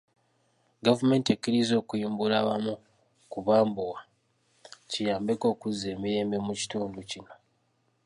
Gavumenti ekkiriza okuyimbula abamu ku bambowa, kiyambeko okuzza emirembe mu kitundu kino.